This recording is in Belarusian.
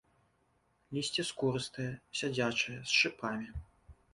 Лісце скурыстае, сядзячае, з шыпамі.